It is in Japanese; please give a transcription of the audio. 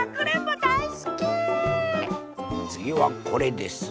つぎはこれです。